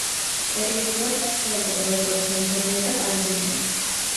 პერიოდულად ვრცელდება როგორც ენდემია და პანდემია.